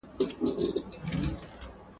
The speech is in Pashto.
ظهار لپاره هم د کفارې لار وښودل سوه.